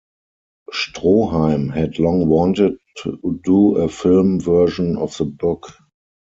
Stroheim had long wanted to do a film version of the book.